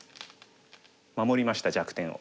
守りました弱点を。